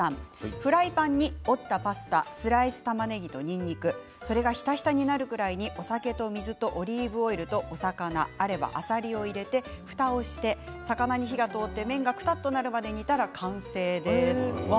フライパンに折ったパスタスライスたまねぎとにんにくそれがひたひたになるぐらい、お酒と水とオリーブオイルとお魚あれば、あさりを入れてふたをして魚に火が通って麺がくたっとなるまで煮たら完成です。